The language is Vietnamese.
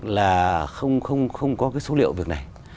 là không có cái số liệu việc này